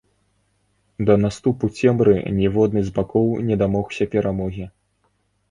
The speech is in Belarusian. Да наступу цемры ніводны з бакоў не дамогся перамогі.